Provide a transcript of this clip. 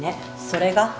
それが？